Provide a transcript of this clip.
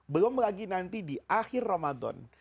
belum lagi nanti di akhir ramadan